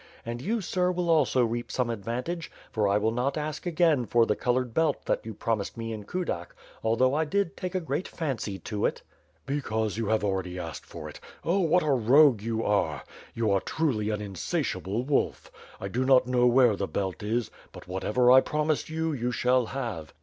And you, sir. will also reap some advantage, for I will not ask again for the colored belt that you promised me in Kudak, although I did take a great fancy to it." '* Because you have already asked for it! Oh what a rogue you are. You are truly an insatiable wolf. I do not know where the belt is, but whatever I promised you, you shall have.